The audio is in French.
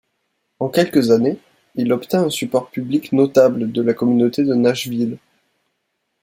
En quelques années, il obtint un support public notable de la communauté de Nashville.